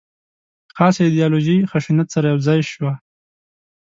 خاصه ایدیالوژي خشونت سره یو ځای شوې.